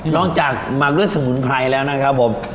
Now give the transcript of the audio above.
จากหมักด้วยสมุนไพรแล้วนะครับผม